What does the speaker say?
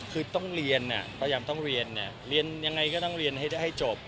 คือต้องเรียนพยายามต้องเรียนเนี่ยเรียนยังไงก็ต้องเรียนให้จบ